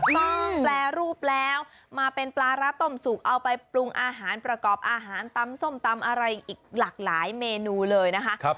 แปรรูปแล้วมาเป็นปลาร้าต้มสุกเอาไปปรุงอาหารประกอบอาหารตำส้มตำอะไรอีกหลากหลายเมนูเลยนะคะ